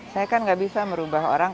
saya kan gak bisa merubah orang